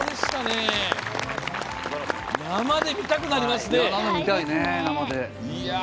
生で見たくなりますね。